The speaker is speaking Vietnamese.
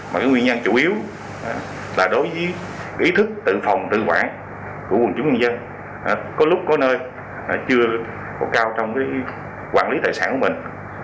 mà cái nguyên nhân chủ yếu là đối với ý thức tự phòng tự quản của quần chúng nhân dân có lúc có nơi chưa cao trong cái quản lý tài sản của mình